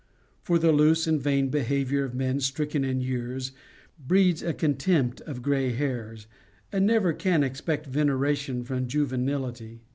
For the loose and vain behavior of men stricken in years breeds a contempt of gray hairs, and never can expect veneration from juve nility.